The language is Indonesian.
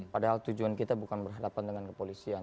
padahal tujuan kita bukan berhadapan dengan kepolisian